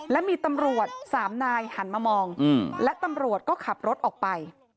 และมีตำรวจสามนายหันมามองและตำรวจก็ขับรถออกไป